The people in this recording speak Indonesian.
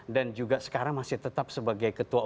dan juga sekarang masih tetap sebagai ketua umum partai